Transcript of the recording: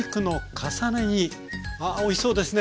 あおいしそうですね。